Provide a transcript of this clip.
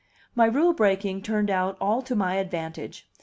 My rule breaking turned out all to my advantage.